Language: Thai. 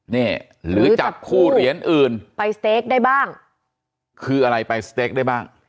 นี่หรือจับคู่เหรียญอื่นไปสเต๊กได้บ้างคืออะไรไปสเต็กได้บ้าง